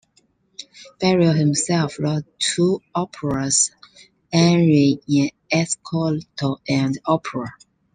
Berio himself wrote two operas, "Un re in ascolto" and "Opera".